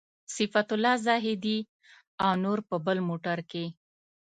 صفت الله زاهدي او نور په بل موټر کې.